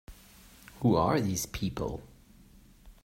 Who are these people?